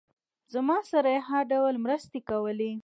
زما سره یې هر ډول مرستې کولې.